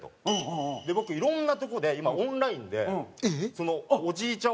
僕いろんなとこで今オンラインでおじいちゃん